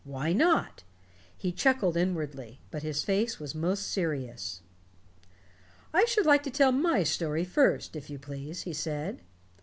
Why not? He chuckled inwardly, but his face was most serious. "I should like to tell my story first, if you please," he said.